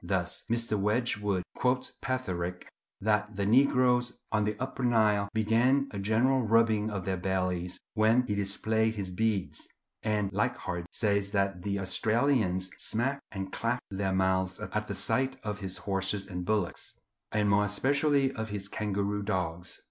Thus Mr. Wedgwood quotes Petherick that the negroes on the Upper Nile began a general rubbing of their bellies when he displayed his beads; and Leichhardt says that the Australians smacked and clacked their mouths at the sight of his horses and bullocks, and more especially of his kangaroo dogs.